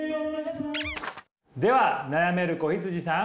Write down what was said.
では悩める子羊さん。